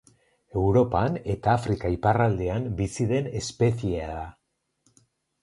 Europan eta Afrika iparraldean bizi den espeziea da.